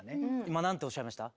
今何ておっしゃいました？